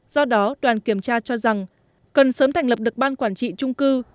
do đó đoàn kiểm tra cho rằng cần sớm thành lập được ban quản trị trung cư